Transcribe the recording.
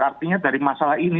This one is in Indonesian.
artinya dari masalah ini